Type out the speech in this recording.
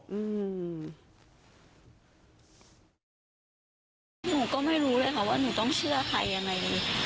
หนูก็ไม่รู้เลยค่ะว่าหนูต้องเชื่อใครยังไง